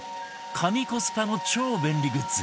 神コスパの超便利グッズ